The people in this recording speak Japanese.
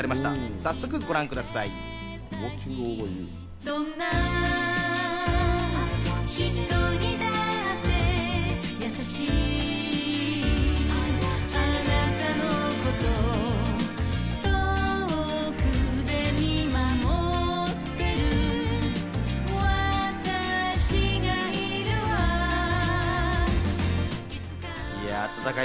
早速ご覧ください。